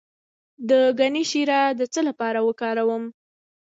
د ګني شیره د څه لپاره وکاروم؟